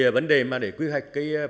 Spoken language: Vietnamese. vấn đề để quy hoạch phát triển nước